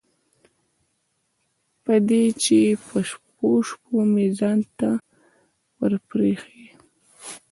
په دې چې په شپو شپو مې ځان نه و پرېښی.